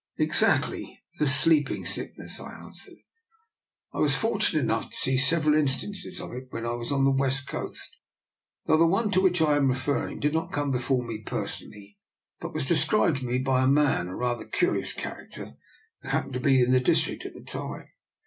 " Exactly — the Sleeping Sickness," I an swered. " I was fortunate enough to see sev eral instances of it when I was on the West Coast, though the one to which I am refer ring did not come before me personally, but was described to me by a man, a rather cu rious character, who happened to be in the district at the time.